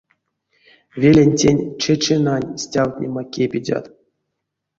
Велентень чеченань стявтнема кепедят.